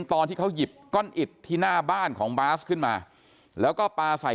ตอนที่เขาหยิบก้อนอิดที่หน้าบ้านของบาสขึ้นมาแล้วก็ปลาใส่